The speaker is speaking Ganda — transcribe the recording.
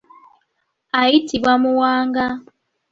Ayitibwa Muwanga.